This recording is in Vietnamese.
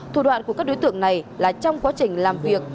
thủ đoạn của các đối tượng này là trong quá trình làm việc